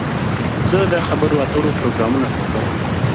زه د خبرو اترو پروګرامونه خوښوم.